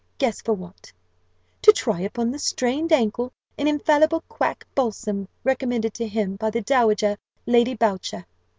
Guess for what: to try upon the strained ankle an infallible quack balsam recommended to him by the Dowager Lady Boucher.